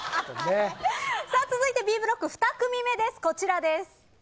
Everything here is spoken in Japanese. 続いてＢブロック２組目こちらです。